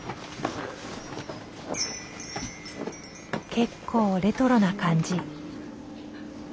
結構レトロな感じ。